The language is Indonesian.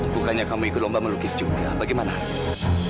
bukannya kamu ikut lomba melukis juga bagaimana hasilnya